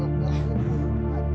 mbak mbak inbak